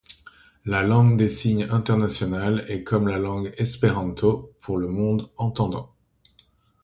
La langue des signes internationale est comme la langue Espéranto pour le monde entendant.